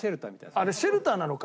あれシェルターなのか。